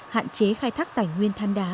hạn chế khai thác tài nguyên than đá